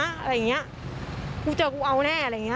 อะไรอย่างเงี้ยกูเจอกูเอาแน่อะไรอย่างเงี้